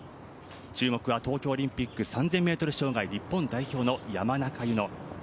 注目は東京オリンピック３０００ｍ障害日本代表の山中柚乃。